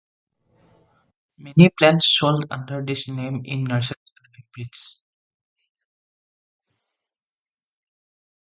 Many plants sold under this name in nurseries are hybrids.